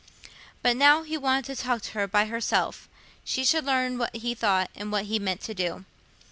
But, now he wanted to talk to her by herself, she should learn what he thought and what he meant to do.